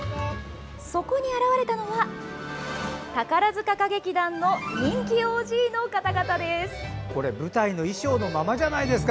そこに現れたのは宝塚歌劇団の人気ＯＧの方々です。